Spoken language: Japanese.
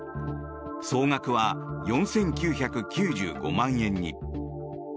総額は４９９５万円に。